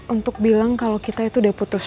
untuk bilang kalau kita itu udah putus